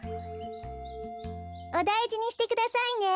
おだいじにしてくださいね。